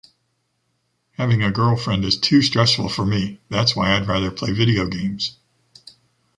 Having a girlfriend is too stressful for me, that’s why I’d rather play video games.